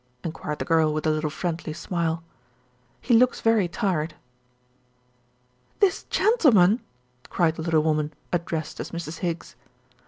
enquired the girl with a little friendly smile. "He looks very tired." "This gentleman !" cried the little woman addressed as Mrs. Higgs.